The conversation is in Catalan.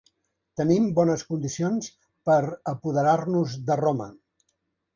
Tenim bones condicions per apoderar-nos de Roma.